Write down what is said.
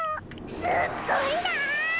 すっごいな！